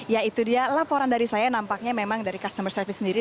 ya itu dia laporan dari saya nampaknya memang dari customer service sendiri